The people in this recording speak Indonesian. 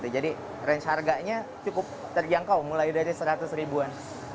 jadi range harganya cukup terjangkau mulai dari rp seratus an